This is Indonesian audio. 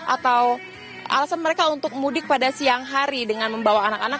atau alasan mereka untuk mudik pada siang hari dengan membawa anak anak